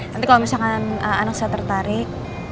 nanti kalau misalkan anak saya tertarik